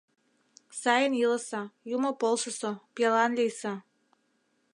— Сайын илыса, Юмо полсысо, пиалан лийса...